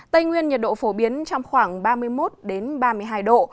tây nguyên nhiệt độ phổ biến trong khoảng ba mươi một ba mươi hai độ